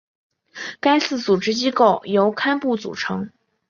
该寺组织机构由堪布组成。